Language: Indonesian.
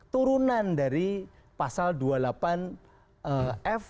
turunan dari pasal dua puluh delapan f